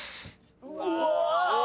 うわ！